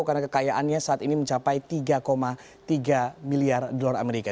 karena kekayaannya saat ini mencapai tiga tiga miliar dolar amerika